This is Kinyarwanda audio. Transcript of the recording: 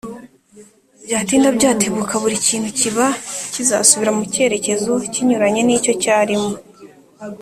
byatinda byatebuka, buri kintu kiba kizasubira mu cyerekezo kinyuranye n’icyo cyarimo.